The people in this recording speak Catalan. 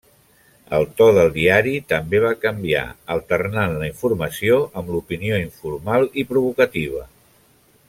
El to del diari també va canviar, alternant la informació amb l'opinió informal i provocativa.